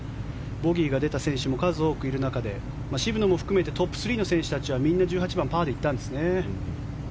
ボギーが出た選手も数多くいる中で渋野も含めてトップ３の選手たちはみんな１８番パーで行ったんですね。